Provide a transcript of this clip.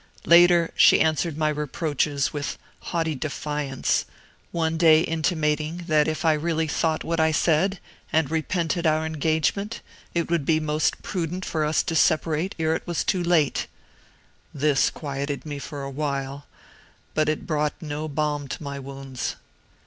Later she answered my reproaches with haughty defiance, one day intimating that if I really thought what I said, and repented our engagement, it would be most prudent for us to separate ere it was too late. This quieted me for a while. But it brought no balm to my wounds.